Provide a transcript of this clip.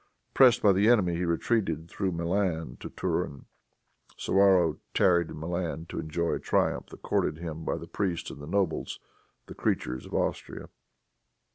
Pressed by the enemy, he retreated through Milan to Turin. Suwarrow tarried in Milan to enjoy a triumph accorded to him by the priests and the nobles, the creatures of Austria.